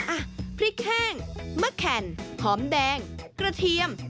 อ่ะพริกแห้งมะแข่นหอมแดงกระเทียม